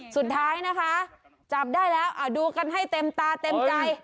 สุดท้ายนะคะจับได้แล้วดูกันให้เต็มตาเต็มใจ